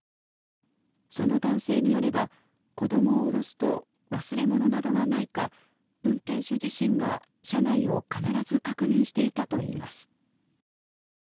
その男性によれば子供を降ろすと忘れ物などがないか運転手自身が車内を必ず確認していたといいます。